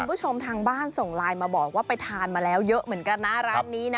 คุณผู้ชมทางบ้านส่งไลน์มาบอกว่าไปทานมาแล้วเยอะเหมือนกันนะร้านนี้นะ